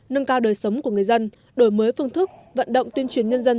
nâng cao đời sống của người dân đổi mới phương thức vận động tuyên truyền nhân dân